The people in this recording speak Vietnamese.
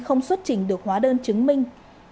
không xuất trình được hóa đơn chứng minh